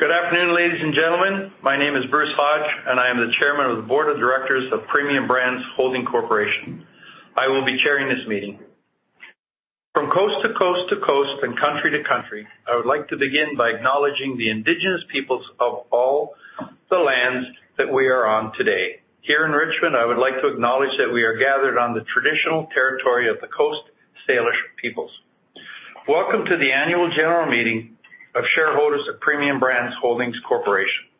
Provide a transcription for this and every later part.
Good afternoon, ladies and gentlemen. My name is Bruce Hodge, and I am the Chairman of the Board of Directors of Premium Brands Holdings Corporation. I will be chairing this meeting. From coast to coast to coast and country to country, I would like to begin by acknowledging the indigenous peoples of all the lands that we are on today. Here in Richmond, I would like to acknowledge that we are gathered on the traditional territory of the Coast Salish peoples. Welcome to the Annual General Meeting of Shareholders of Premium Brands Holdings Corporation.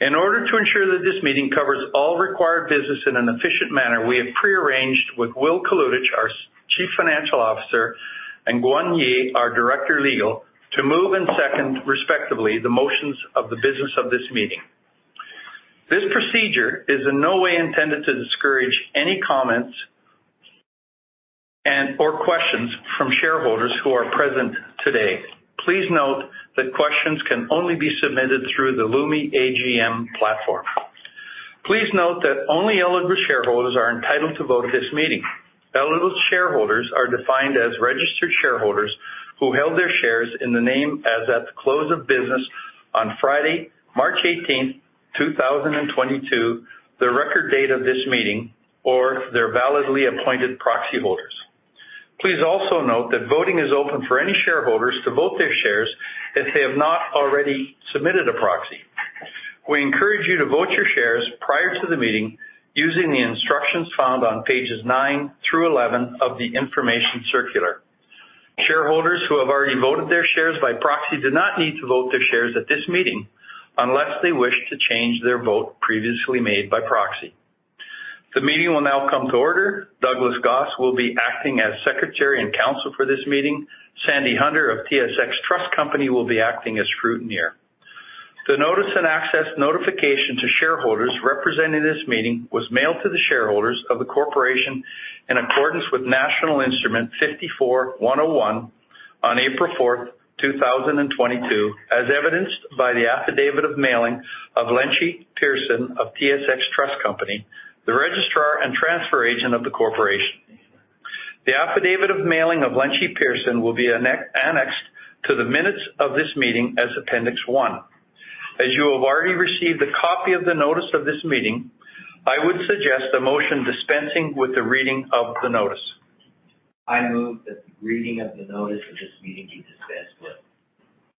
In order to ensure that this meeting covers all required business in an efficient manner, we have pre-arranged with Will Kalutycz, our Chief Financial Officer, and Gwun Yee, our Director, Legal, to move and second, respectively, the motions of the business of this meeting. This procedure is in no way intended to discourage any comments and or questions from shareholders who are present today. Please note that questions can only be submitted through the Lumi AGM platform. Please note that only eligible shareholders are entitled to vote at this meeting. Eligible shareholders are defined as registered shareholders who held their shares in the name as at the close of business on Friday, 18 March 2022, the record date of this meeting, or their validly appointed proxy voters. Please also note that voting is open for any shareholders to vote their shares if they have not already submitted a proxy. We encourage you to vote your shares prior to the meeting using the instructions found on pages nine through 11 of the information circular. Shareholders who have already voted their shares by proxy do not need to vote their shares at this meeting unless they wish to change their vote previously made by proxy. The meeting will now come to order. Douglas Goss will be acting as secretary and counsel for this meeting. Sandy Hunter of TSX Trust Company will be acting as scrutineer. The notice and access notification to shareholders representing this meeting was mailed to the shareholders of the corporation in accordance with National Instrument 54-101 on 4 April 2022, as evidenced by the Affidavit of Mailing of Lenchi Pearson of TSX Trust Company, the registrar and transfer agent of the corporation. The Affidavit of Mailing of Lenchi Pearson will be annexed to the minutes of this meeting as appendix one. As you have already received a copy of the notice of this meeting, I would suggest a motion dispensing with the reading of the notice. I move that the reading of the notice of this meeting be dispensed with.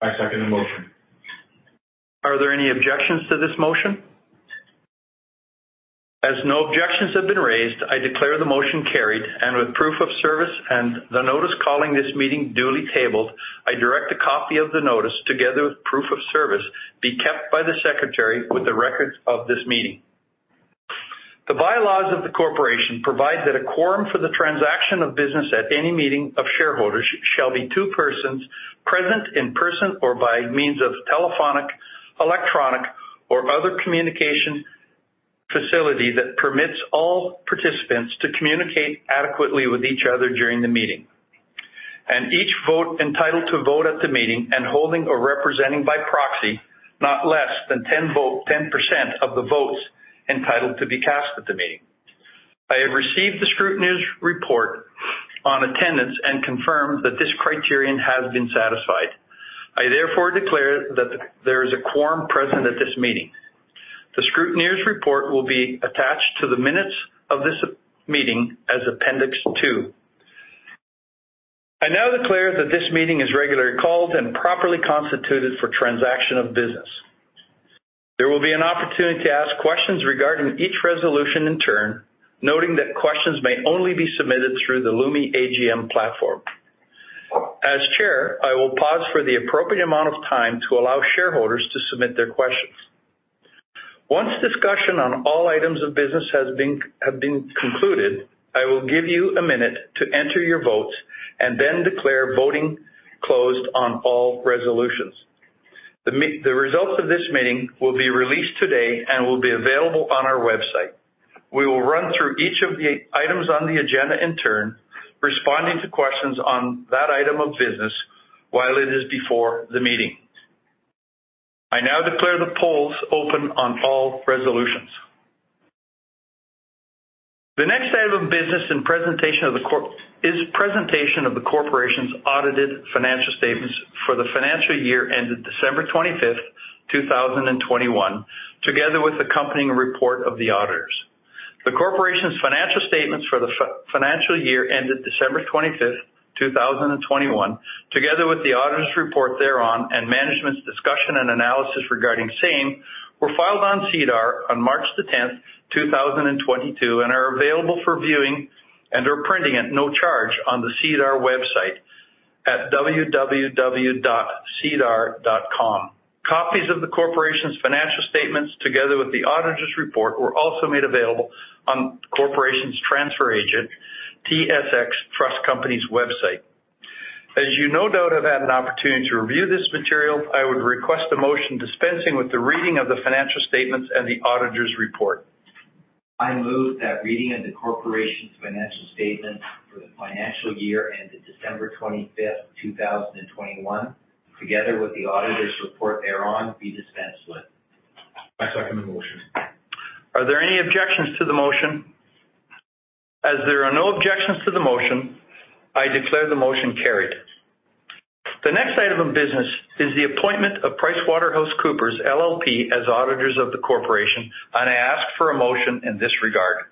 I second the motion. Are there any objections to this motion? As no objections have been raised, I declare the motion carried, and with proof of service and the notice calling this meeting duly tabled, I direct a copy of the notice together with proof of service be kept by the secretary with the records of this meeting. The bylaws of the corporation provide that a quorum for the transaction of business at any meeting of shareholders shall be two persons present in person or by means of telephonic, electronic or other communication facility that permits all participants to communicate adequately with each other during the meeting. Each vote entitled to vote at the meeting and holding or representing by proxy not less than 10% of the votes entitled to be cast at the meeting. I have received the scrutineer's report on attendance and confirm that this criterion has been satisfied. I therefore declare that there is a quorum present at this meeting. The scrutineer's report will be attached to the minutes of this meeting as appendix two. I now declare that this meeting is regularly called and properly constituted for transaction of business. There will be an opportunity to ask questions regarding each resolution in turn, noting that questions may only be submitted through the Lumi AGM platform. As chair, I will pause for the appropriate amount of time to allow shareholders to submit their questions. Once discussion on all items of business have been concluded, I will give you a minute to enter your votes and then declare voting closed on all resolutions. The results of this meeting will be released today and will be available on our website. We will run through each of the items on the agenda in turn, responding to questions on that item of business while it is before the meeting. I now declare the polls open on all resolutions. The next item of business is presentation of the corporation's audited financial statements for the financial year ended 25 December 2021, together with accompanying report of the auditors. The corporation's financial statements for the financial year ended 25 December 2021, together with the auditor's report thereon and management's discussion and analysis regarding same, were filed on SEDAR on 10 March 2022, and are available for viewing and printing at no charge on the SEDAR website at www.sedar.com. Copies of the corporation's financial statements together with the auditor's report were also made available on the corporation's transfer agent, TSX Trust Company's website. As you no doubt have had an opportunity to review this material, I would request a motion dispensing with the reading of the financial statements and the auditor's report. I move that reading of the corporation's financial statement for the financial year ended 25 December 2021, together with the auditor's report thereon be dispensed with. I second the motion. Are there any objections to the motion? As there are no objections to the motion, I declare the motion carried. The next item of business is the appointment of PricewaterhouseCoopers LLP as auditors of the corporation, and I ask for a motion in this regard.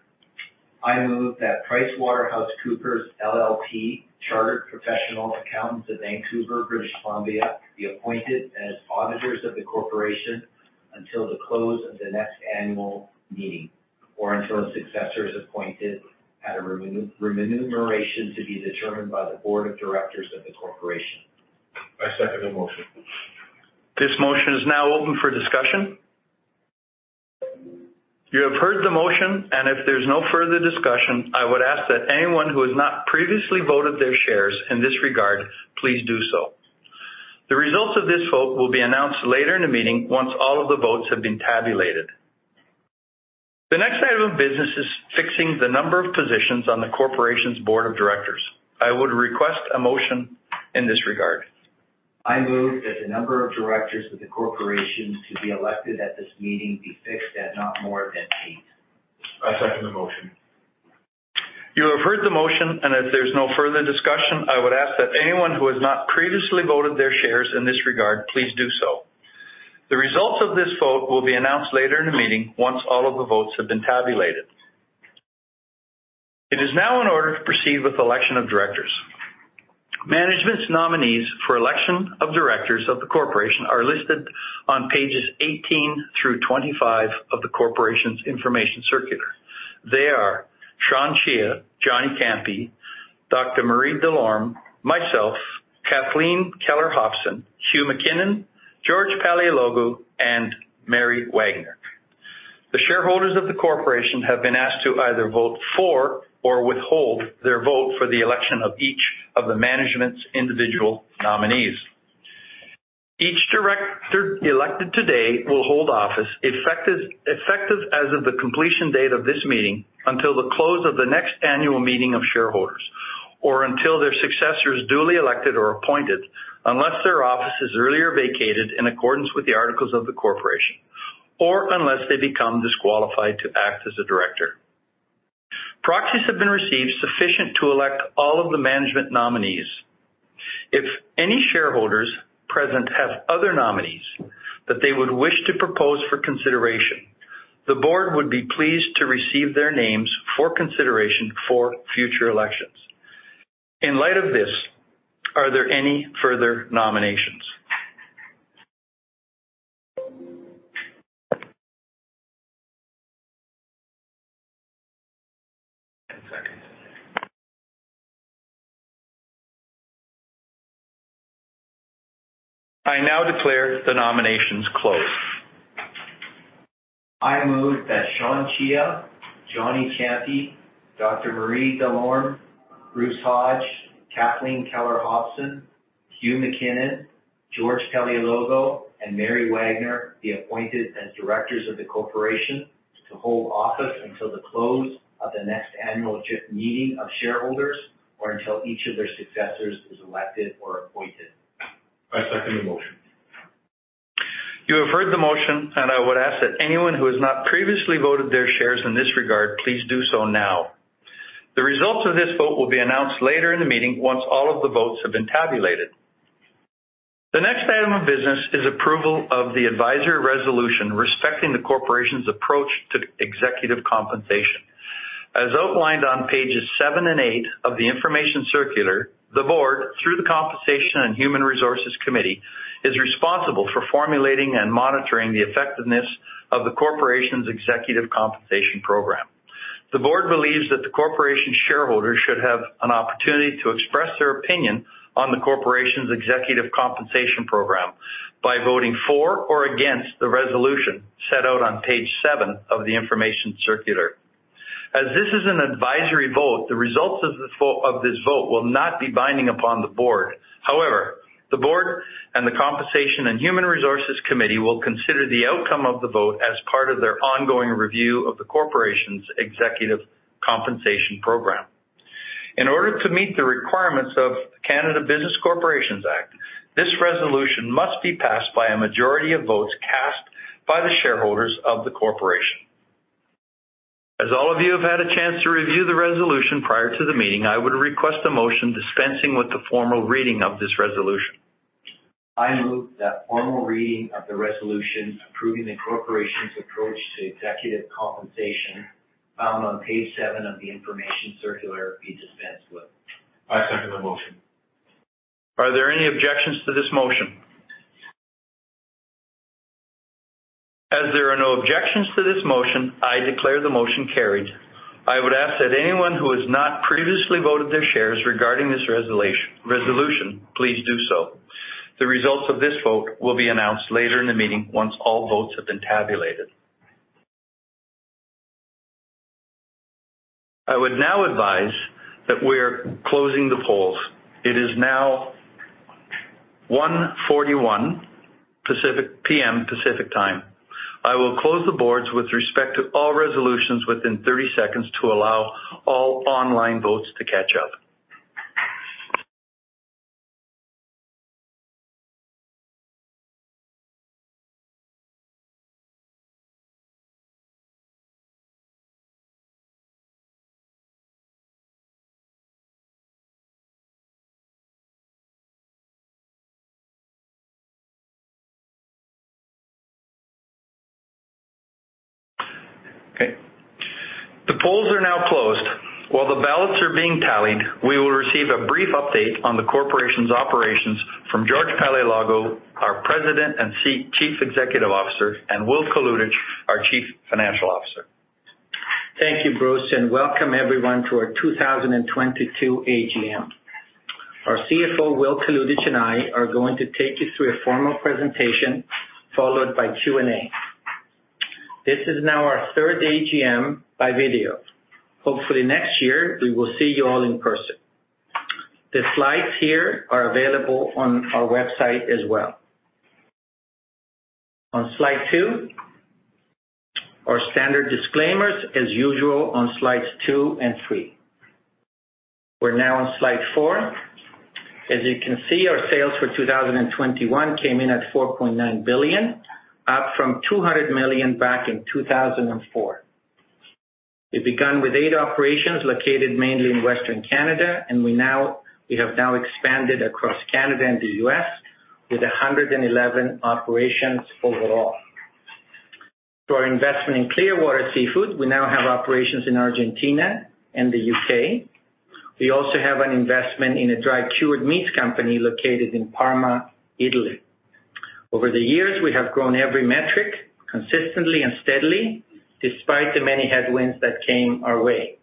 I move that PricewaterhouseCoopers LLP Chartered Professional Accountants of Vancouver, British Columbia, be appointed as auditors of the corporation until the close of the next annual meeting or until a successor is appointed at a remuneration to be determined by the Board of Directors of the Corporation. I second the motion. This motion is now open for discussion. You have heard the motion, and if there's no further discussion, I would ask that anyone who has not previously voted their shares in this regard, please do so. The results of this vote will be announced later in the meeting once all of the votes have been tabulated. The next item of business is fixing the number of positions on the corporation's board of directors. I would request a motion in this regard. I move that the number of directors of the corporation to be elected at this meeting be fixed at not more than eight. I second the motion. You have heard the motion, and if there's no further discussion, I would ask that anyone who has not previously voted their shares in this regard, please do so. The results of this vote will be announced later in the meeting once all of the votes have been tabulated. It is now in order to proceed with the election of directors. Management's nominees for election of directors of the corporation are listed on pages 18 through 25 of the corporation's information circular. They are Sean Cheah, Johnny Ciampi, Dr. Marie Delorme, myself, Kathleen Keller-Hobson, Hugh McKinnon, George Paleologou, and Mary Wagner. The shareholders of the corporation have been asked to either vote for or withhold their vote for the election of each of the management's individual nominees. Each director elected today will hold office effective as of the completion date of this meeting until the close of the next annual meeting of shareholders or until their successor is duly elected or appointed, unless their office is earlier vacated in accordance with the articles of the corporation, or unless they become disqualified to act as a director. Proxies have been received sufficient to elect all of the management nominees. If any shareholders present have other nominees that they would wish to propose for consideration, the board would be pleased to receive their names for consideration for future elections. In light of this, are there any further nominations? I now declare the nominations closed. I move that Sean Cheah, Johnny Ciampi, Dr. Marie Delorme, Bruce Hodge, Kathleen Keller-Hobson, Hugh McKinnon, George Paleologou, and Mary Wagner be appointed as directors of the corporation to hold office until the close of the next annual meeting of shareholders or until each of their successors is elected or appointed. I second the motion. You have heard the motion, and I would ask that anyone who has not previously voted their shares in this regard, please do so now. The results of this vote will be announced later in the meeting once all of the votes have been tabulated. The next item of business is approval of the advisory resolution respecting the corporation's approach to executive compensation. As outlined on pages seven and eight of the information circular, the board, through the Compensation and Human Resources Committee, is responsible for formulating and monitoring the effectiveness of the corporation's executive compensation program. The board believes that the corporation's shareholders should have an opportunity to express their opinion on the corporation's executive compensation program by voting for or against the resolution set out on page seven of the information circular. As this is an advisory vote, the results of this vote will not be binding upon the board. However, the board and the Compensation and Human Resources Committee will consider the outcome of the vote as part of their ongoing review of the corporation's executive compensation program. In order to meet the requirements of Canada Business Corporations Act, this resolution must be passed by a majority of votes cast by the shareholders of the corporation. As all of you have had a chance to review the resolution prior to the meeting, I would request a motion dispensing with the formal reading of this resolution. I move that formal reading of the resolution approving the corporation's approach to executive compensation found on page seven of the information circular be dispensed with. I second that motion. Are there any objections to this motion? As there are no objections to this motion, I declare the motion carried. I would ask that anyone who has not previously voted their shares regarding this resolution, please do so. The results of this vote will be announced later in the meeting once all votes have been tabulated. I would now advise that we're closing the polls. It is now 1:41 P.M. Pacific Time. I will close the polls with respect to all resolutions within 30 seconds to allow all online votes to catch up. Okay. The polls are now closed. While the ballots are being tallied, we will receive a brief update on the corporation's operations from George Paleologou, our President and Chief Executive Officer, and Will Kalutycz, our Chief Financial Officer. Thank you, Bruce, and welcome everyone to our 2022 AGM. Our CFO, Will Kalutycz, and I are going to take you through a formal presentation followed by Q&A. This is now our third AGM by video. Hopefully, next year we will see you all in person. The slides here are available on our website as well. On slide two, our standard disclaimers as usual on slides two and three. We're now on slide four. As you can see, our sales for 2021 came in at 4.9 billion, up from 200 million back in 2004. We began with eight operations located mainly in Western Canada, and we have expanded across Canada and the U.S. with 111 operations overall. For our investment in Clearwater Seafoods, we now have operations in Argentina and the U.K. We also have an investment in a dry cured meat company located in Parma, Italy. Over the years, we have grown every metric consistently and steadily despite the many headwinds that came our way.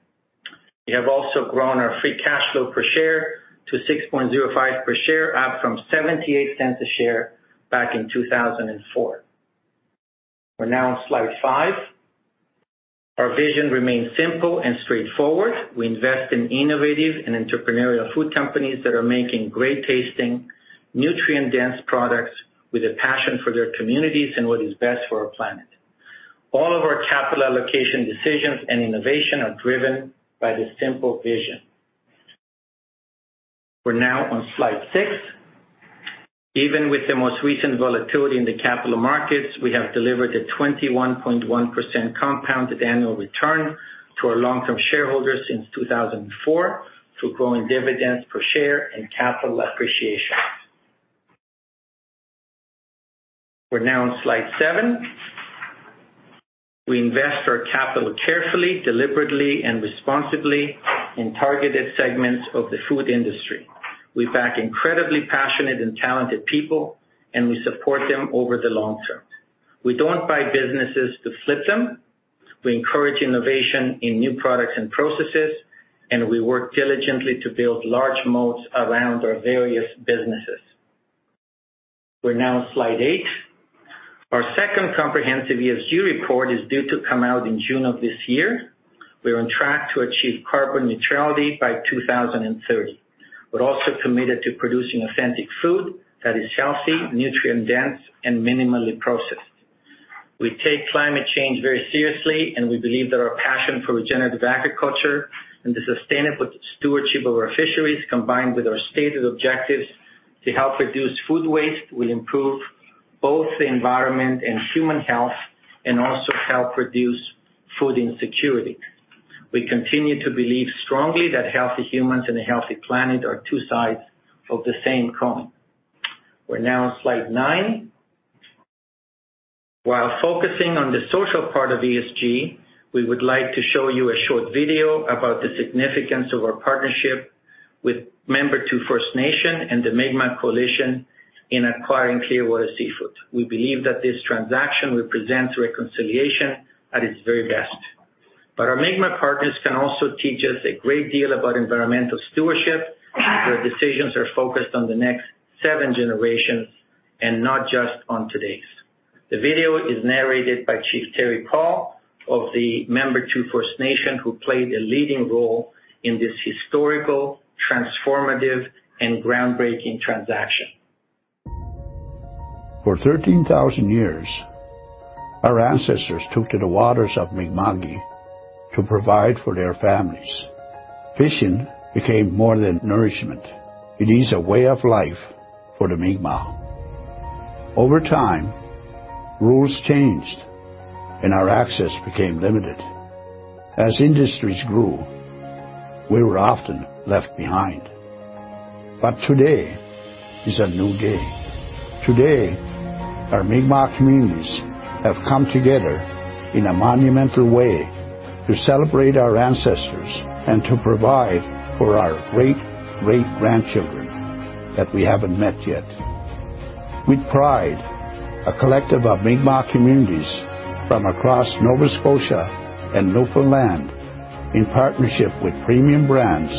We have also grown our free cash flow per share to 6.05 per share, up from 0.78 per share back in 2004. We're now on slide five. Our vision remains simple and straightforward. We invest in innovative and entrepreneurial food companies that are making great-tasting, nutrient-dense products with a passion for their communities and what is best for our planet. All of our capital allocation decisions and innovation are driven by this simple vision. We're now on slide six. Even with the most recent volatility in the capital markets, we have delivered a 21.1% compounded annual return to our long-term shareholders since 2004 through growing dividends per share and capital appreciation. We're now on slide seven. We invest our capital carefully, deliberately, and responsibly in targeted segments of the food industry. We back incredibly passionate and talented people, and we support them over the long term. We don't buy businesses to flip them. We encourage innovation in new products and processes, and we work diligently to build large moats around our various businesses. We're now on slide eight. Our second comprehensive ESG report is due to come out in June of this year. We're on track to achieve carbon neutrality by 2030. We're also committed to producing authentic food that is healthy, nutrient-dense, and minimally processed. We take climate change very seriously, and we believe that our passion for regenerative agriculture and the sustainable stewardship of our fisheries, combined with our stated objectives to help reduce food waste, will improve both the environment and human health and also help reduce food insecurity. We continue to believe strongly that healthy humans and a healthy planet are two sides of the same coin. We're now on slide nine. While focusing on the social part of ESG, we would like to show you a short video about the significance of our partnership with Membertou First Nation and the Mi'kmaq Coalition in acquiring Clearwater Seafoods. We believe that this transaction represents reconciliation at its very best. Our Mi'kmaq partners can also teach us a great deal about environmental stewardship. Their decisions are focused on the next seven generations and not just on today's. The video is narrated by Chief Terry Paul of the Membertou First Nation, who played a leading role in this historical, transformative, and groundbreaking transaction. For 13,000 years, our ancestors took to the waters of Mi'kma'ki to provide for their families. Fishing became more than nourishment. It is a way of life for the Mi'kmaq. Over time, rules changed and our access became limited. As industries grew, we were often left behind. Today is a new day. Today, our Mi'kmaq communities have come together in a monumental way to celebrate our ancestors and to provide for our great grandchildren that we haven't met yet. With pride, a collective of Mi'kmaq communities from across Nova Scotia and Newfoundland, in partnership with Premium Brands,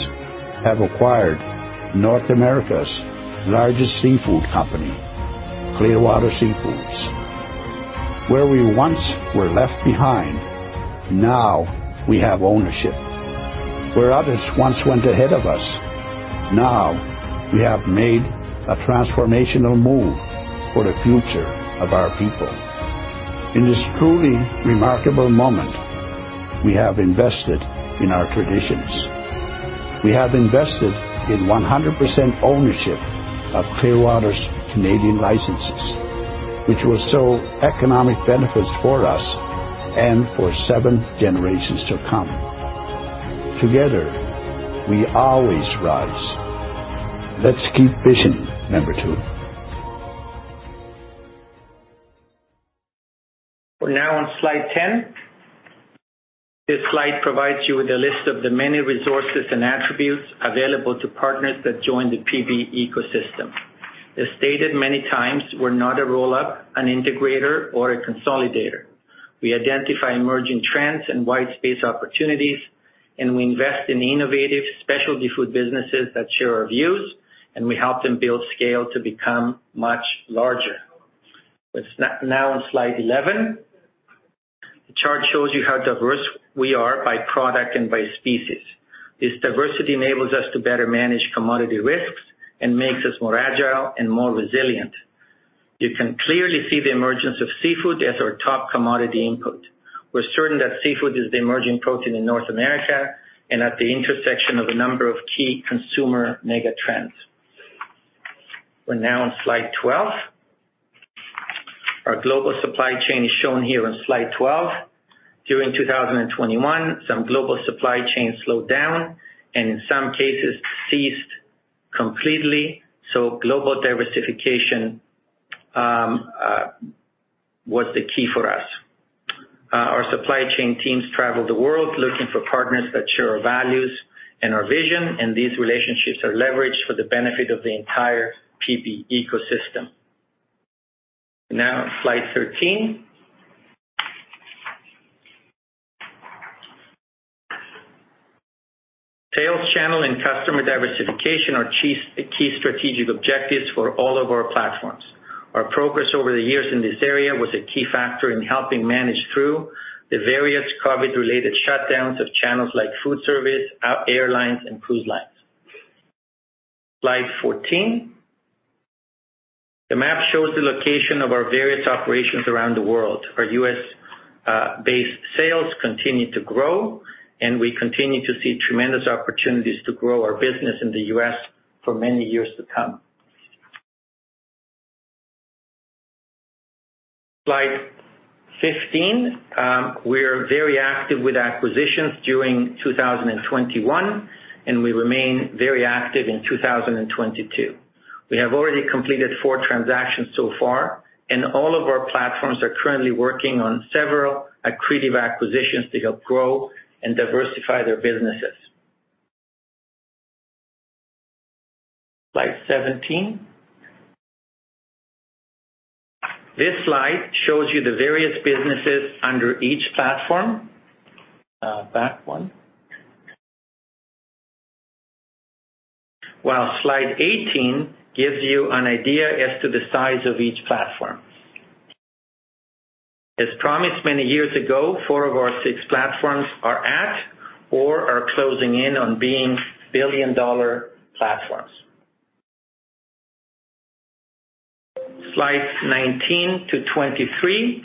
have acquired North America's largest seafood company, Clearwater Seafoods. Where we once were left behind, now we have ownership. Where others once went ahead of us, now we have made a transformational move for the future of our people. In this truly remarkable moment, we have invested in our traditions. We have invested in 100% ownership of Clearwater's Canadian licenses, which will sow economic benefits for us and for seven generations to come. Together, we always rise. Let's keep fishing, number two. We're now on slide 10. This slide provides you with a list of the many resources and attributes available to partners that join the PB ecosystem. As stated many times, we're not a roll-up, an integrator or a consolidator. We identify emerging trends and white space opportunities, and we invest in innovative specialty food businesses that share our views, and we help them build scale to become much larger. Let's now on slide 11. The chart shows you how diverse we are by product and by species. This diversity enables us to better manage commodity risks and makes us more agile and more resilient. You can clearly see the emergence of seafood as our top commodity input. We're certain that seafood is the emerging protein in North America and at the intersection of a number of key consumer mega trends. We're now on slide 12. Our global supply chain is shown here on slide 12. During 2021, some global supply chains slowed down and in some cases ceased completely, so global diversification was the key for us. Our supply chain teams travel the world looking for partners that share our values and our vision, and these relationships are leveraged for the benefit of the entire PB ecosystem. Now slide 13. Sales channel and customer diversification are key strategic objectives for all of our platforms. Our progress over the years in this area was a key factor in helping manage through the various COVID-related shutdowns of channels like food service, airlines and cruise lines. Slide 14. The map shows the location of our various operations around the world. Our U.S.-based sales continue to grow, and we continue to see tremendous opportunities to grow our business in the U.S. for many years to come. Slide 15. We are very active with acquisitions during 2021, and we remain very active in 2022. We have already completed four transactions so far, and all of our platforms are currently working on several accretive acquisitions to help grow and diversify their businesses. Slide 17. This slide shows you the various businesses under each platform. Back one. While Slide 18 gives you an idea as to the size of each platform. As promised many years ago, four of our six platforms are at or are closing in on being billion-dollar platforms. Slides 19 to 23.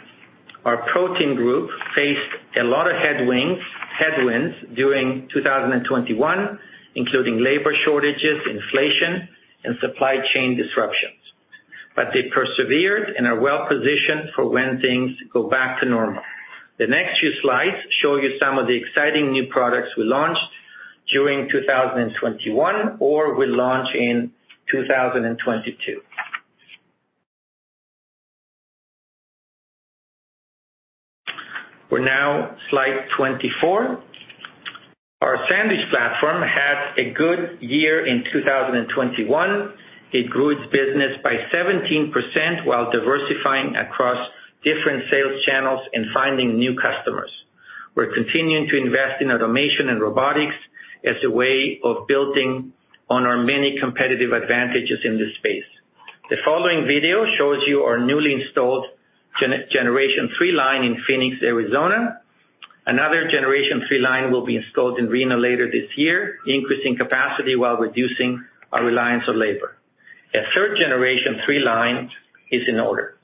Our protein group faced a lot of headwinds during 2021, including labor shortages, inflation, and supply chain disruptions. They persevered and are well-positioned for when things go back to normal. The next few slides show you some of the exciting new products we launched during 2021 or will launch in 2022. We're now on slide 24. Our sandwich platform had a good year in 2021. It grew its business by 17% while diversifying across different sales channels and finding new customers. We're continuing to invest in automation and robotics as a way of building on our many competitive advantages in this space. The following video shows you our newly installed generation three line in Phoenix, Arizona. Another generation three line will be installed in Reno later this year, increasing capacity while reducing our reliance on labor. A third generation three line is in order.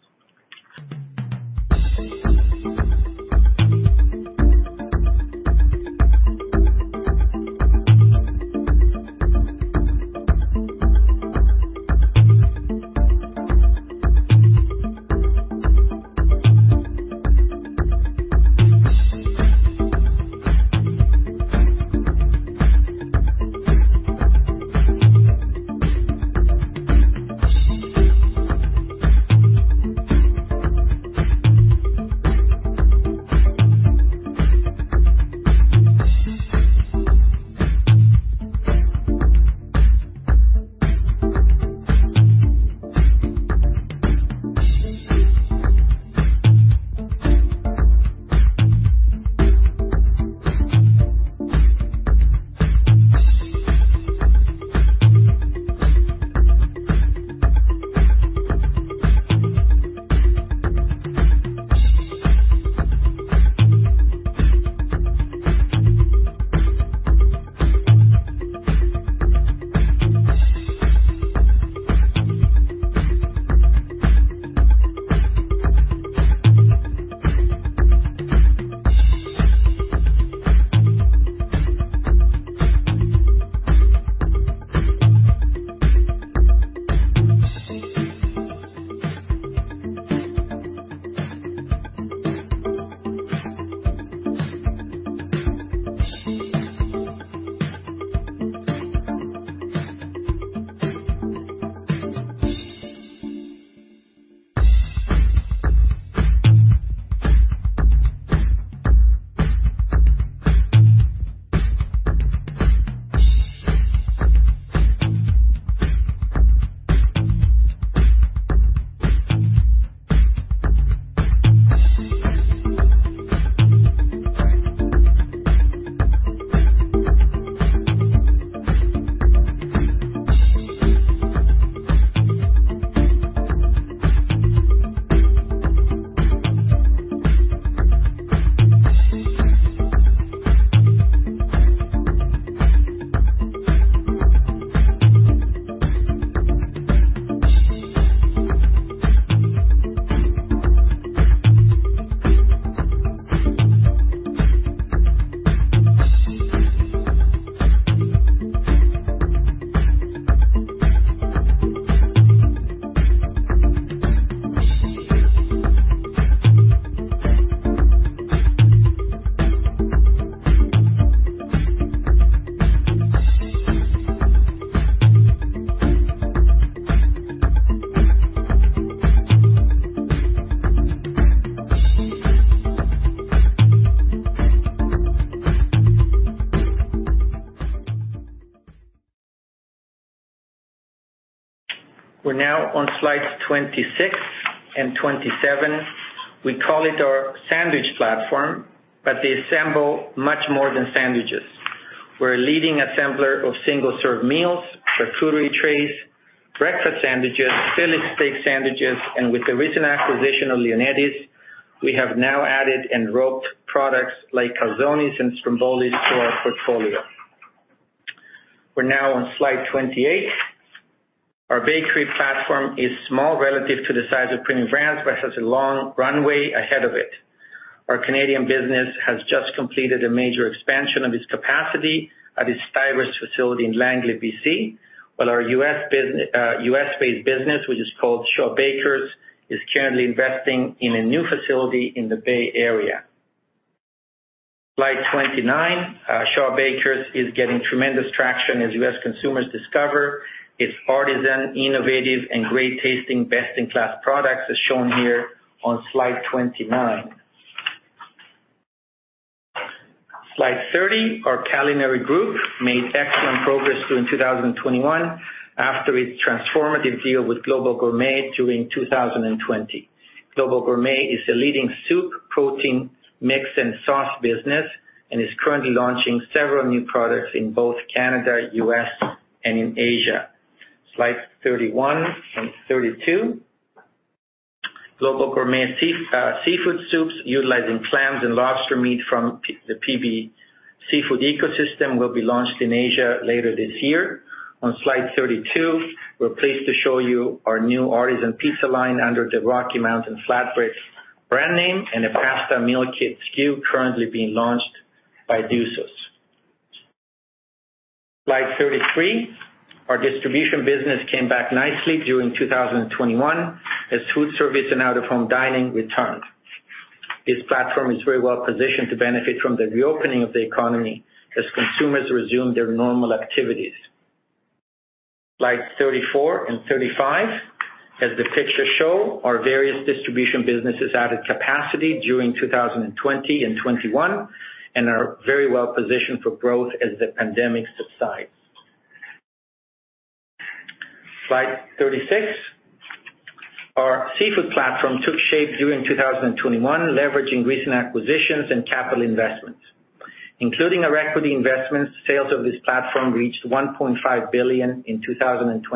We're now on slides 26 and 27. We call it our sandwich platform, but they assemble much more than sandwiches. We're a leading assembler of single-serve meals, charcuterie trays, breakfast sandwiches, Philly steak sandwiches, and with the recent acquisition of Leonetti's, we have now added wrapped products like calzones and strombolis to our portfolio. We're now on slide 28. Our bakery platform is small relative to the size of Premium Brands, but has a long runway ahead of it. Our Canadian business has just completed a major expansion of its capacity at its Stuyver's facility in Langley, BC. While our U.S.-based business, which is called Shaw Bakers, is currently investing in a new facility in the Bay Area. Slide 29. Shaw Bakers is getting tremendous traction as U.S. consumers discover its artisan, innovative, and great-tasting, best-in-class products, as shown here on Slide 29. Slide 30. Our culinary group made excellent progress during 2021 after its transformative deal with Global Gourmet during 2020. Global Gourmet is a leading soup, protein, mix, and sauce business, and is currently launching several new products in both Canada, U.S., and Asia. Slides 31 and 32. Global Gourmet seafood soups utilizing clams and lobster meat from the PB seafood ecosystem will be launched in Asia later this year. On Slide 32, we're pleased to show you our new artisan pizza line under the Rocky Mountain Flatbread brand name, and a pasta meal kit SKU currently being launched by Duso's. Slide 33. Our distribution business came back nicely during 2021 as food service and out-of-home dining returned. This platform is very well positioned to benefit from the reopening of the economy as consumers resume their normal activities. Slides 34 and 35. As the pictures show, our various distribution businesses added capacity during 2020 and 2021, and are very well positioned for growth as the pandemic subsides. Slide 36. Our seafood platform took shape during 2021, leveraging recent acquisitions and capital investments. Including our equity investments, sales of this platform reached 1.5 billion in 2021.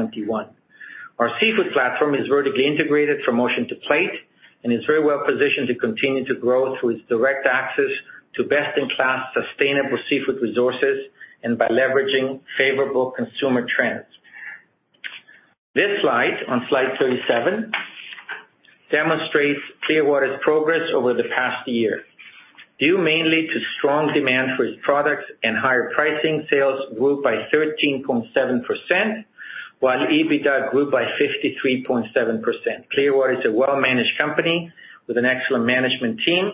Our seafood platform is vertically integrated from ocean to plate and is very well positioned to continue to grow through its direct access to best-in-class sustainable seafood resources and by leveraging favorable consumer trends. This slide, on slide 37, demonstrates Clearwater's progress over the past year. Due mainly to strong demand for its products and higher pricing, sales grew by 13.7%, while EBITDA grew by 53.7%. Clearwater is a well-managed company with an excellent management team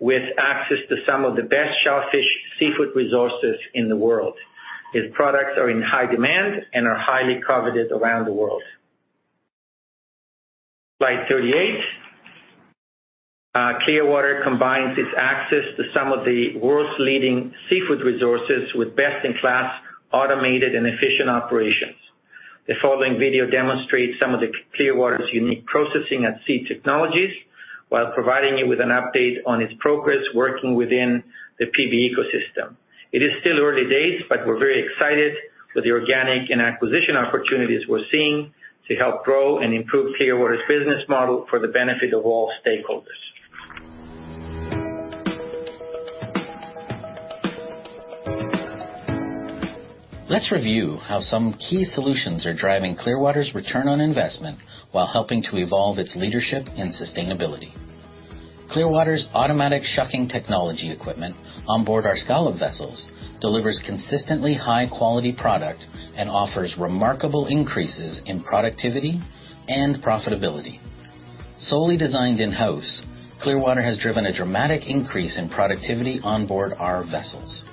with access to some of the best shellfish and seafood resources in the world. Its products are in high demand and are highly coveted around the world. Slide 38. Clearwater combines its access to some of the world's leading seafood resources with best-in-class automated and efficient operations. The following video demonstrates some of the Clearwater's unique processing at sea technologies while providing you with an update on its progress working within the PB ecosystem. It is still early days, but we're very excited with the organic and acquisition opportunities we're seeing to help grow and improve Clearwater's business model for the benefit of all stakeholders. Let's review how some key solutions are driving Clearwater's return on investment while helping to evolve its leadership and sustainability. Clearwater's automatic shucking technology equipment on board our scallop vessels delivers consistently high quality product and offers remarkable increases in productivity and profitability. Solely designed in-house, Clearwater has driven a dramatic increase in productivity on board our vessels.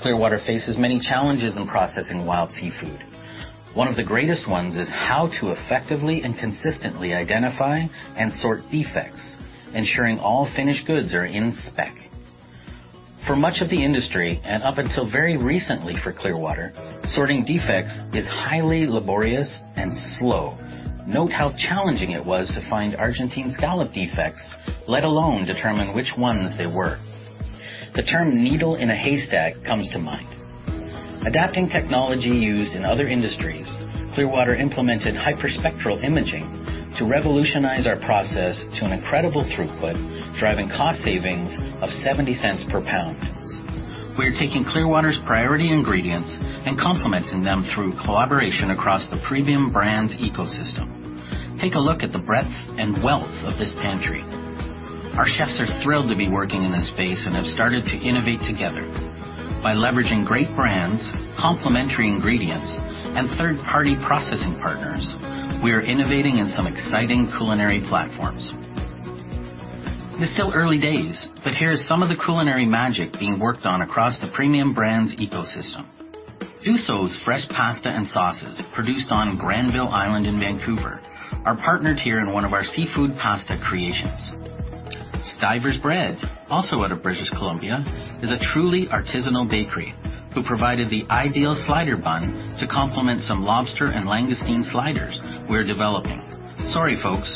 Clearwater faces many challenges in processing wild seafood. One of the greatest ones is how to effectively and consistently identify and sort defects, ensuring all finished goods are in spec. For much of the industry, and up until very recently for Clearwater, sorting defects is highly laborious and slow. Note how challenging it was to find Argentine scallop defects, let alone determine which ones they were. The term needle in a haystack comes to mind. Adapting technology used in other industries, Clearwater implemented hyperspectral imaging to revolutionize our process to an incredible throughput, driving cost savings of 0.70 per pound. We are taking Clearwater's priority ingredients and complementing them through collaboration across the Premium Brands ecosystem. Take a look at the breadth and wealth of this pantry. Our chefs are thrilled to be working in this space and have started to innovate together. By leveraging great brands, complementary ingredients, and third-party processing partners, we are innovating in some exciting culinary platforms. It's still early days, but here is some of the culinary magic being worked on across the Premium Brands ecosystem. Duso's fresh pasta and sauces, produced on Granville Island in Vancouver, are partnered here in one of our seafood pasta creations. Stuyver's Bread, also out of British Columbia, is a truly artisanal bakery who provided the ideal slider bun to complement some lobster and langoustine sliders we're developing. Sorry, folks,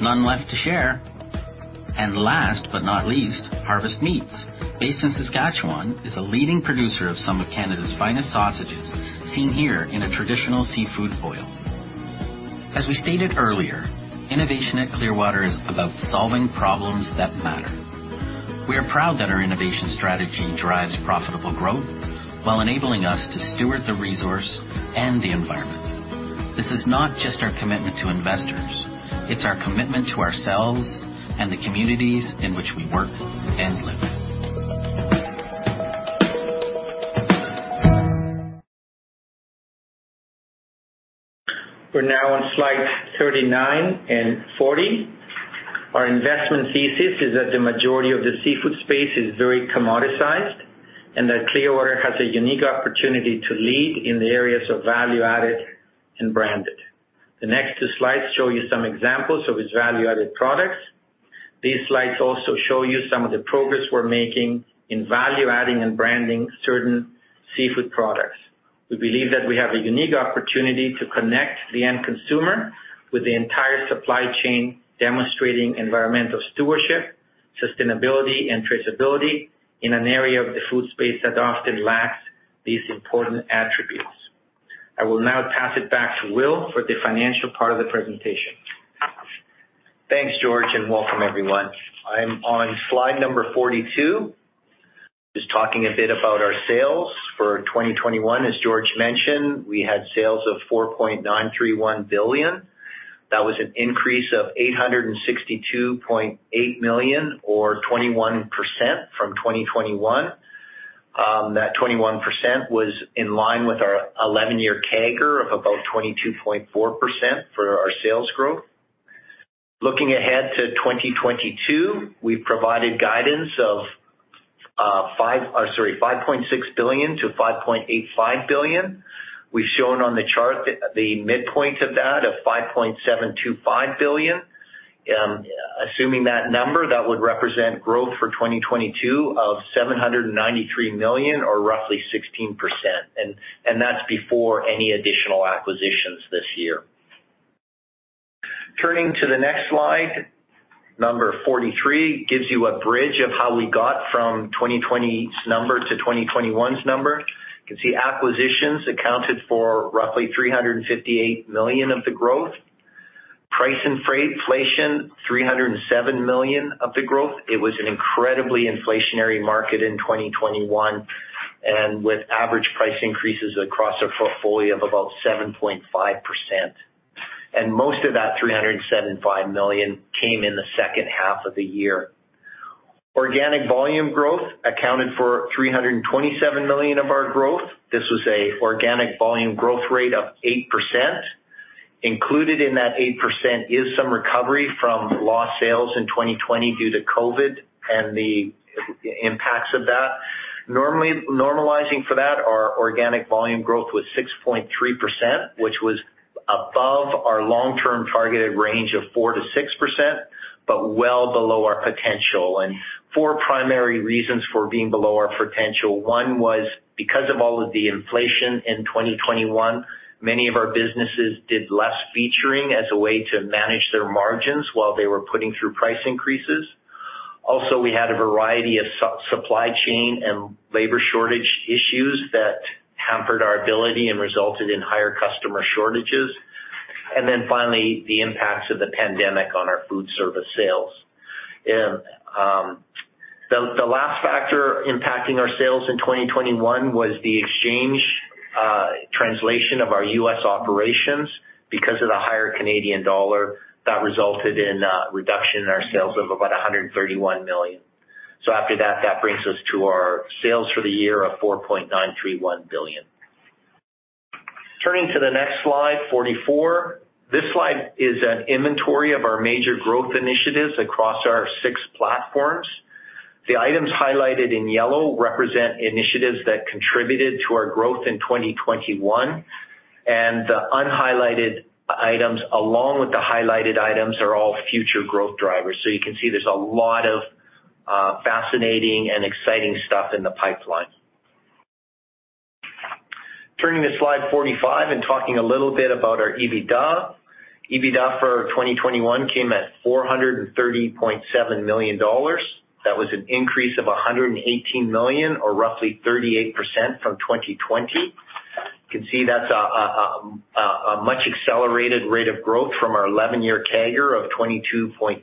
none left to share. Last but not least, Harvest Meats, based in Saskatchewan, is a leading producer of some of Canada's finest sausages, seen here in a traditional seafood boil. As we stated earlier, innovation at Clearwater is about solving problems that matter. We are proud that our innovation strategy drives profitable growth while enabling us to steward the resource and the environment. This is not just our commitment to investors, it's our commitment to ourselves and the communities in which we work and live. We're now on slide 39 and 40. Our investment thesis is that the majority of the seafood space is very commoditized and that Clearwater has a unique opportunity to lead in the areas of value-added and branded. The next two slides show you some examples of its value-added products. These slides also show you some of the progress we're making in value-adding and branding certain seafood products. We believe that we have a unique opportunity to connect the end consumer with the entire supply chain, demonstrating environmental stewardship, sustainability and traceability in an area of the food space that often lacks these important attributes. I will now pass it back to Will for the financial part of the presentation. Thanks, George, and welcome everyone. I'm on slide number 42, just talking a bit about our sales for 2021. As George mentioned, we had sales of 4.931 billion. That was an increase of 862.8 million or 21% from 2021. That 21% was in line with our 11-year CAGR of about 22.4% for our sales growth. Looking ahead to 2022, we've provided guidance of 5.6 billion-5.85 billion. We've shown on the chart the midpoint of that of 5.725 billion. Assuming that number, that would represent growth for 2022 of 793 million or roughly 16%, and that's before any additional acquisitions this year. Turning to the next slide, number 43, gives you a bridge of how we got from 2020's number to 2021's number. You can see acquisitions accounted for roughly 358 million of the growth. Price and freight inflation, 307 million of the growth. It was an incredibly inflationary market in 2021, and with average price increases across our portfolio of about 7.5%. Most of that 307.5 million came in the second half of the year. Organic volume growth accounted for 327 million of our growth. This was an organic volume growth rate of 8%. Included in that 8% is some recovery from lost sales in 2020 due to COVID and the impacts of that. Normally Normalizing for that, our organic volume growth was 6.3%, which was above our long-term targeted range of 4%-6%, but well below our potential. Four primary reasons for being below our potential. One was because of all of the inflation in 2021, many of our businesses did less featuring as a way to manage their margins while they were putting through price increases. Also, we had a variety of supply chain and labor shortage issues that hampered our ability and resulted in higher customer shortages. Finally, the impacts of the pandemic on our food service sales. The last factor impacting our sales in 2021 was the exchange translation of our U.S. operations because of the higher Canadian dollar that resulted in a reduction in our sales of about 131 million. After that brings us to our sales for the year of 4.931 billion. Turning to the next slide, 44. This slide is an inventory of our major growth initiatives across our six platforms. The items highlighted in yellow represent initiatives that contributed to our growth in 2021, and the unhighlighted items, along with the highlighted items, are all future growth drivers. You can see there's a lot of fascinating and exciting stuff in the pipeline. Turning to slide 45 and talking a little bit about our EBITDA. EBITDA for 2021 came at 430.7 million dollars. That was an increase of 118 million or roughly 38% from 2020. You can see that's a much accelerated rate of growth from our eleven-year CAGR of 22.2%.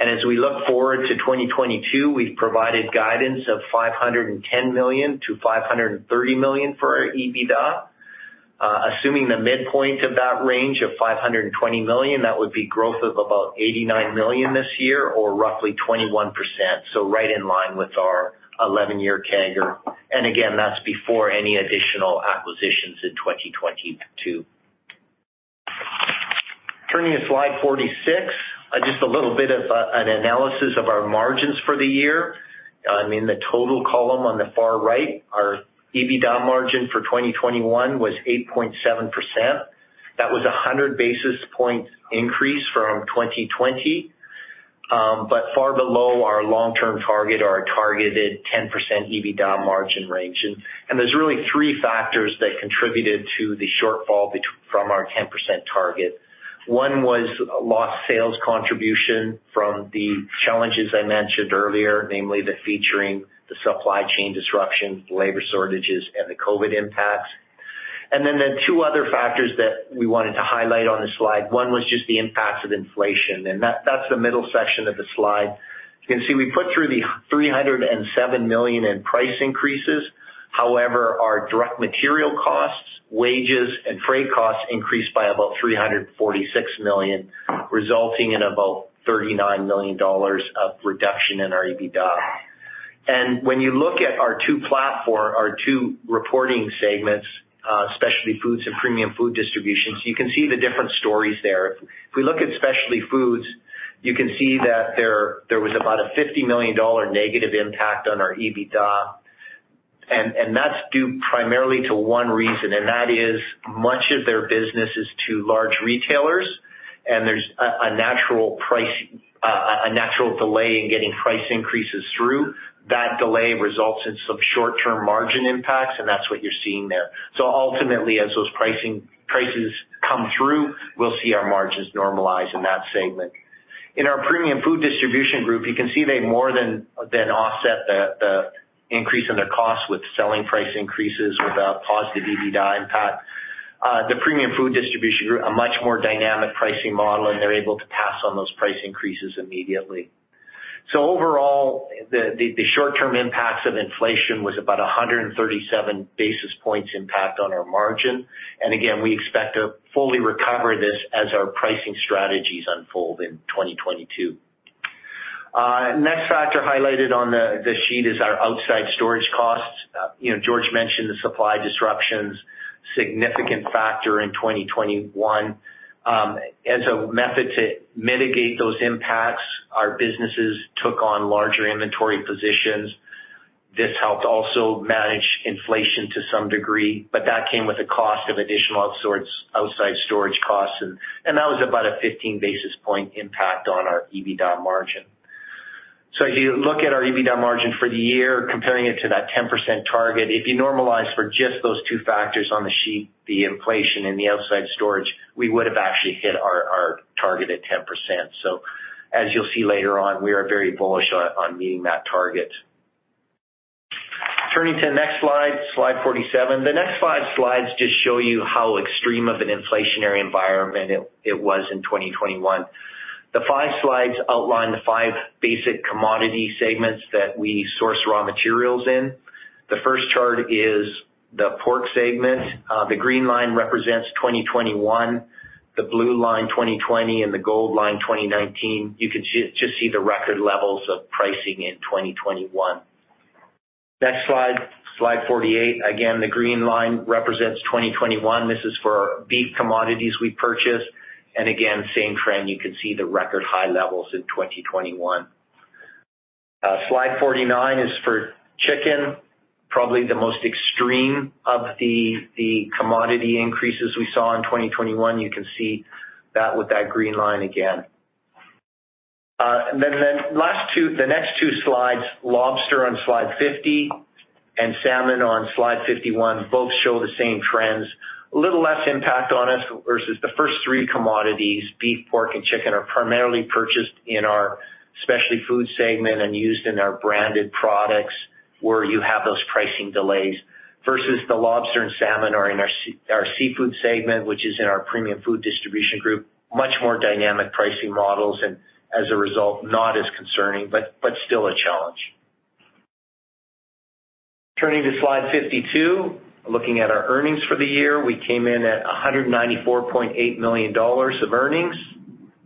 As we look forward to 2022, we've provided guidance of 510 million to 530 million for our EBITDA. Assuming the midpoint of that range of 520 million, that would be growth of about 89 million this year or roughly 21%. Right in line with our eleven-year CAGR. That's before any additional acquisitions in 2022. Turning to slide 46. Just a little bit of an analysis of our margins for the year. I mean, the total column on the far right, our EBITDA margin for 2021 was 8.7%. That was a 100 basis points increase from 2020, but far below our long-term target or our targeted 10% EBITDA margin range. There's really three factors that contributed to the shortfall from our 10% target. One was lost sales contribution from the challenges I mentioned earlier, namely the featuring, the supply chain disruptions, the labor shortages, and the COVID impacts. Then the two other factors that we wanted to highlight on the slide, one was just the impacts of inflation, and that's the middle section of the slide. You can see we put through 307 million in price increases. However, our direct material costs, wages, and freight costs increased by about 346 million, resulting in about 39 million dollars of reduction in our EBITDA. When you look at our two platforms, our two reporting segments, specialty foods and Premium Food distributions, you can see the different stories there. If we look at specialty foods, you can see that there was about a 50 million dollar negative impact on our EBITDA. That's due primarily to one reason, and that is much of their business is to large retailers, and there's a natural delay in getting price increases through. That delay results in some short-term margin impacts, and that's what you're seeing there. Ultimately, as those prices come through, we'll see our margins normalize in that segment. In our premium food distribution group, you can see they more than offset the increase in their cost with selling price increases with a positive EBITDA impact. The premium food distribution group are much more dynamic pricing model, and they're able to pass on those price increases immediately. Overall, the short-term impacts of inflation was about 137 basis points impact on our margin. Again, we expect to fully recover this as our pricing strategies unfold in 2022. Next factor highlighted on the sheet is our outside storage costs. You know, George mentioned the supply disruptions, significant factor in 2021. As a method to mitigate those impacts, our businesses took on larger inventory positions. This helped also manage inflation to some degree, but that came with a cost of additional sorts outside storage costs, and that was about a 15 basis point impact on our EBITDA margin. If you look at our EBITDA margin for the year, comparing it to that 10% target, if you normalize for just those two factors on the sheet, the inflation and the outside storage, we would have actually hit our targeted 10%. As you'll see later on, we are very bullish on meeting that target. Turning to the next slide 47. The next five slides just show you how extreme of an inflationary environment it was in 2021. The five slides outline the five basic commodity segments that we source raw materials in. The first chart is the pork segment. The green line represents 2021, the blue line 2020, and the gold line 2019. You can just see the record levels of pricing in 2021. Next slide 48. Again, the green line represents 2021. This is for beef commodities we purchased. Again, same trend. You can see the record high levels in 2021. Slide 49 is for chicken, probably the most extreme of the commodity increases we saw in 2021. You can see that with that green line again. Then the next two slides, lobster on slide 50 and salmon on slide 51, both show the same trends. A little less impact on us versus the first three commodities. Beef, pork, and chicken are primarily purchased in our specialty food segment and used in our branded products. Where you have those pricing delays versus the lobster and salmon are in our seafood segment, which is in our premium food distribution group, much more dynamic pricing models and as a result, not as concerning, but still a challenge. Turning to slide 52, looking at our earnings for the year. We came in at 194.8 million dollars of earnings.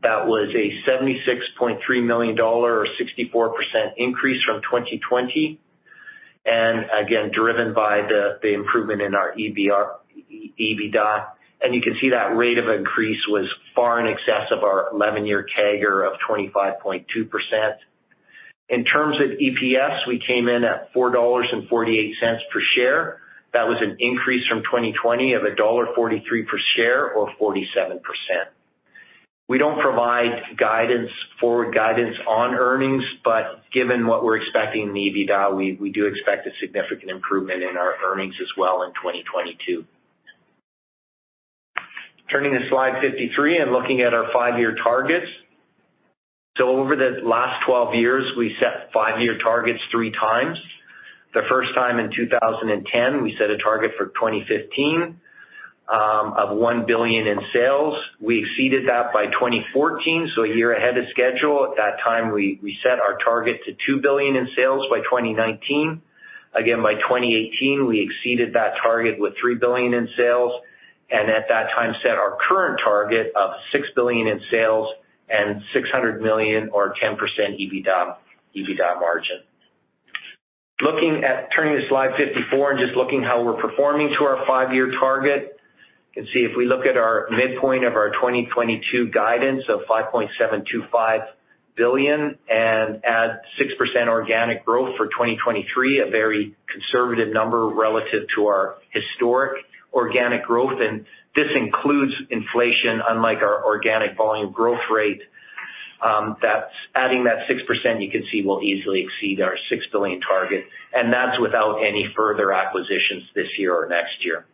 That was a 76.3 million dollar or 64% increase from 2020. Again, driven by the improvement in our EBITDA. You can see that rate of increase was far in excess of our 11-year CAGR of 25.2%. In terms of EPS, we came in at 4.48 dollars per share. That was an increase from 2020 of dollar 1.43 per share or 47%. We don't provide guidance, forward guidance on earnings, but given what we're expecting in the EBITDA, we do expect a significant improvement in our earnings as well in 2022. Turning to slide 53 and looking at our five-year targets. Over the last twelve years, we set five-year targets three times. The first time in 2010, we set a target for 2015 of 1 billion in sales. We exceeded that by 2014, a year ahead of schedule. At that time, we set our target to 2 billion in sales by 2019. Again, by 2018 we exceeded that target with 3 billion in sales, and at that time set our current target of 6 billion in sales and 600 million or 10% EBITDA margin. Turning to slide 54 and just looking how we're performing to our five-year target. You can see if we look at our midpoint of our 2022 guidance of 5.725 billion and add 6% organic growth for 2023, a very conservative number relative to our historic organic growth. This includes inflation, unlike our organic volume growth rate, that's adding that 6% you can see will easily exceed our 6 billion target, and that's without any further acquisitions this year or next year.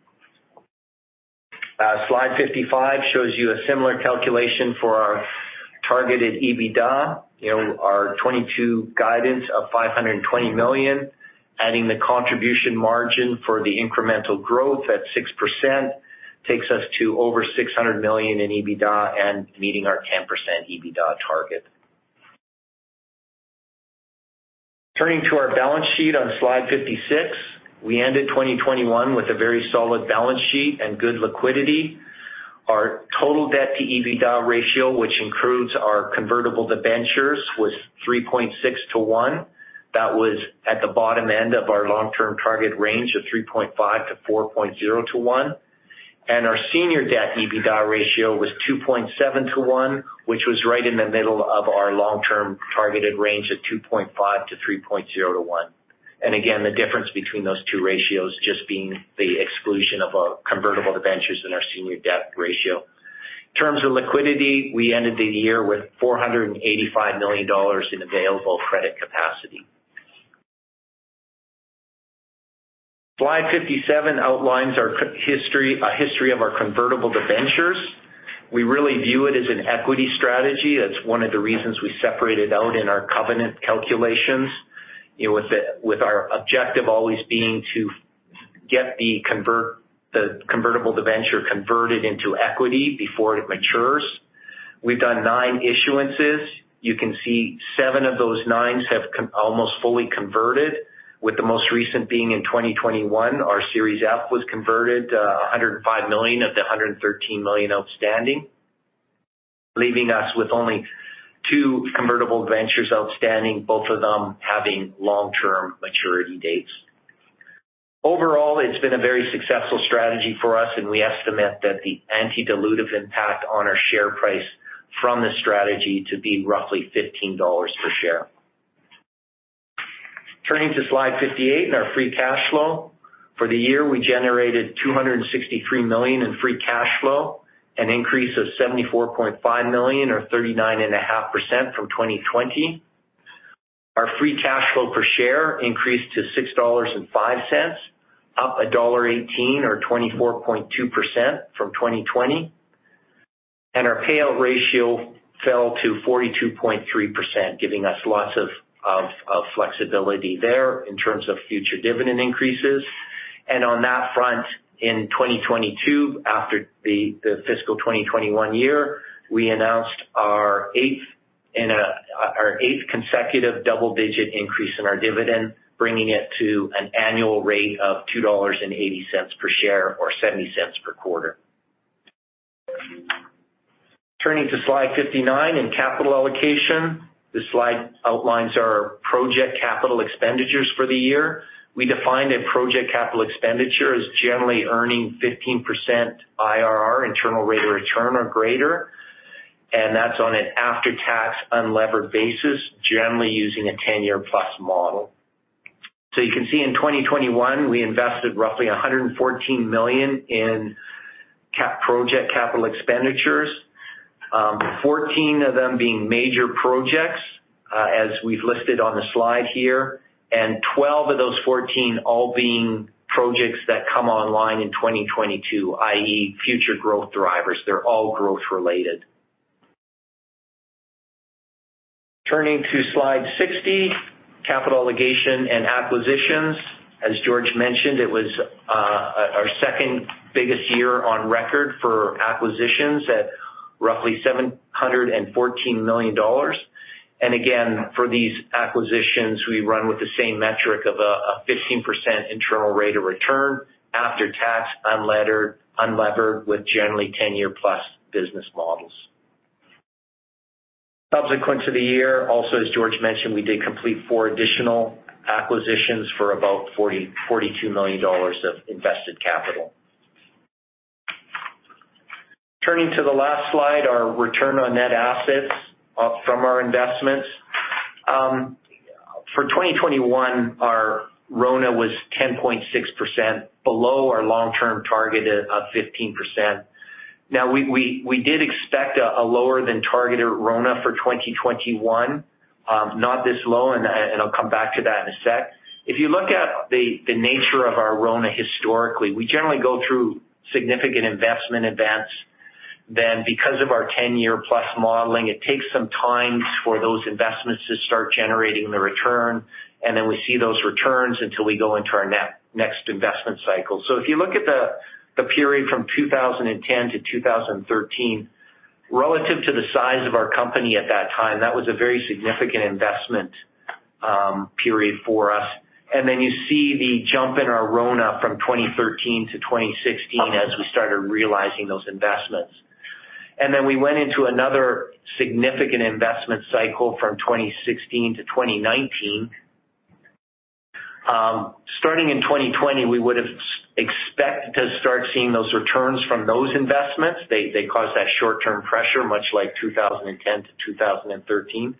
Slide 55 shows you a similar calculation for our targeted EBITDA. You know, our 2022 guidance of 520 million, adding the contribution margin for the incremental growth at 6% takes us to over 600 million in EBITDA and meeting our 10% EBITDA target. Turning to our balance sheet on slide 56. We ended 2021 with a very solid balance sheet and good liquidity. Our total debt to EBITDA ratio, which includes our convertible debentures, was 3.6 to 1. That was at the bottom end of our long-term target range of 3.5 to 4.0 to 1. Our senior debt EBITDA ratio was 2.7 to 1, which was right in the middle of our long-term targeted range of 2.5 to 3.0 to 1. Again, the difference between those two ratios just being the exclusion of our convertible debentures and our senior debt ratio. In terms of liquidity, we ended the year with 485 million dollars in available credit capacity. Slide 57 outlines a history of our convertible debentures. We really view it as an equity strategy. That's one of the reasons we separated out in our covenant calculations. You know, with our objective always being to get the convertible debenture converted into equity before it matures. We've done nine issuances. You can see seven of those nine have almost fully converted, with the most recent being in 2021. Our Series F was converted, a hundred and five million of the hundred and thirteen million outstanding, leaving us with only two convertible debentures outstanding, both of them having long-term maturity dates. Overall, it's been a very successful strategy for us, and we estimate that the anti-dilutive impact on our share price from this strategy to be roughly 15 dollars per share. Turning to slide 58 and our free cash flow. For the year, we generated 263 million in free cash flow, an increase of 74.5 million or 39.5% from 2020. Our free cash flow per share increased to 6.05 dollars, up dollar 1.18 or 24.2% from 2020. Our payout ratio fell to 42.3%, giving us lots of flexibility there in terms of future dividend increases. On that front, in 2022, after the fiscal 2021 year, we announced our eighth consecutive double-digit increase in our dividend, bringing it to an annual rate of 2.80 dollars per share or 0.70 per quarter. Turning to slide 59 in capital allocation. This slide outlines our project capital expenditures for the year. We define a project capital expenditure as generally earning 15% IRR, internal rate of return or greater, and that's on an after-tax, unlevered basis, generally using a 10-year plus model. You can see in 2021, we invested roughly 114 million in capital projects capital expenditures. 14 of them being major projects, as we've listed on the slide here, and 12 of those 14 all being projects that come online in 2022, i.e., future growth drivers. They're all growth related. Turning to slide 60, capital allocation and acquisitions. As George mentioned, it was our second biggest year on record for acquisitions at roughly 714 million dollars. Again, for these acquisitions, we run with the same metric of a 15% internal rate of return after tax, unlevered, with generally 10-year plus business models. Subsequent to the year, also, as George mentioned, we did complete four additional acquisitions for about 42 million dollars of invested capital. Turning to the last slide, our return on net assets from our investments. For 2021, our RONA was 10.6% below our long-term target of 15%. Now, we did expect a lower than targeted RONA for 2021. Not this low, and I'll come back to that in a sec. If you look at the nature of our RONA historically, we generally go through significant investment events. Because of our 10-year plus modeling, it takes some time for those investments to start generating the return, and then we see those returns until we go into our next investment cycle. If you look at the period from 2010 to 2013, relative to the size of our company at that time, that was a very significant investment period for us. You see the jump in our RONA from 2013 to 2016 as we started realizing those investments. We went into another significant investment cycle from 2016 to 2019. Starting in 2020, we would have expected to start seeing those returns from those investments. They caused that short-term pressure, much like 2010 to 2013.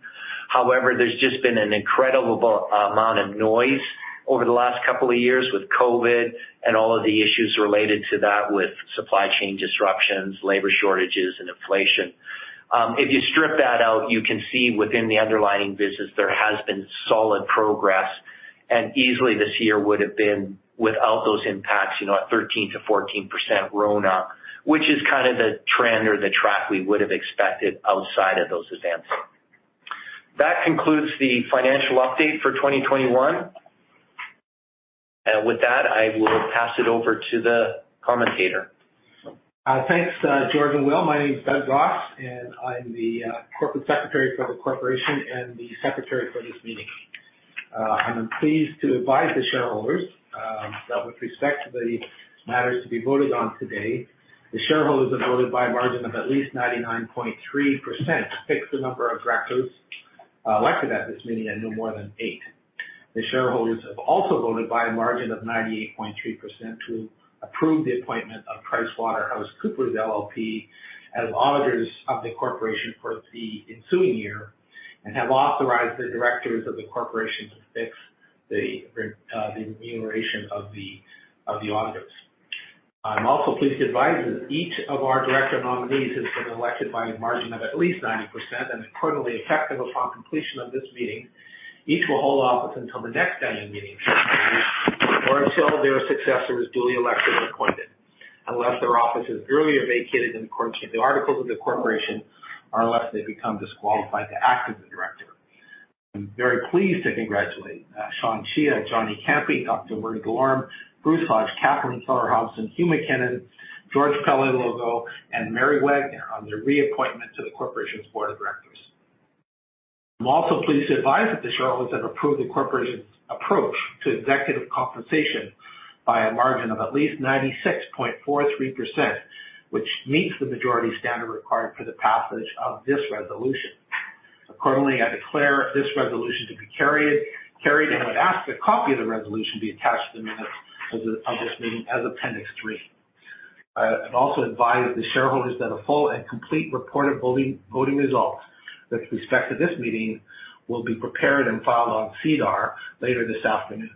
However, there's just been an incredible amount of noise over the last couple of years with COVID and all of the issues related to that, with supply chain disruptions, labor shortages, and inflation. If you strip that out, you can see within the underlying business there has been solid progress, and easily this year would have been without those impacts, you know, at 13%-14% RONA, which is kind of the trend or the track we would have expected outside of those events. That concludes the financial update for 2021. With that, I will pass it over to the commentator. Thanks, George and Will. My name is Douglas Goss, and I'm the corporate secretary for the corporation and the secretary for this meeting. I'm pleased to advise the shareholders that with respect to the matters to be voted on today, the shareholders have voted by a margin of at least 99.3% to fix the number of directors elected at this meeting and no more than eight. The shareholders have also voted by a margin of 98.3% to approve the appointment of PricewaterhouseCoopers LLP as auditors of the corporation for the ensuing year and have authorized the directors of the corporation to fix the remuneration of the auditors. I'm also pleased to advise that each of our director nominees has been elected by a margin of at least 90% and accordingly effective upon completion of this meeting. Each will hold office until the next annual meeting, or until their successor is duly elected and appointed, unless their office is earlier vacated in accordance to the articles of the corporation, or unless they become disqualified to act as a director. I'm very pleased to congratulate Sean Cheah, Johnny Ciampi, Dr. Marie Delorme, Bruce Hodge, Kathleen Keller-Hobson, and Hugh McKinnon, George Paleologou, and Mary Wagner on their reappointment to the Corporation's board of directors. I'm also pleased to advise that the shareholders have approved the corporation's approach to executive compensation by a margin of at least 96.43%, which meets the majority standard required for the passage of this resolution. Accordingly, I declare this resolution to be carried, and I would ask that a copy of the resolution be attached to the minutes of this meeting as Appendix three. I've also advised the shareholders that a full and complete report of voting results with respect to this meeting will be prepared and filed on SEDAR later this afternoon.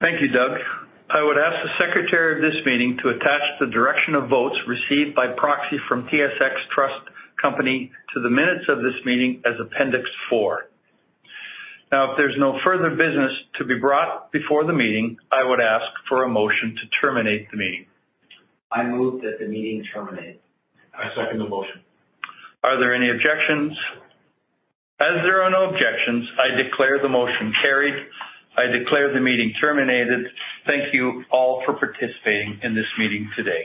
Thank you, Doug. I would ask the secretary of this meeting to attach the direction of votes received by proxy from TSX Trust Company to the minutes of this meeting as Appendix four. Now, if there's no further business to be brought before the meeting, I would ask for a motion to terminate the meeting. I move that the meeting terminate. I second the motion. Are there any objections? As there are no objections, I declare the motion carried. I declare the meeting terminated. Thank you all for participating in this meeting today.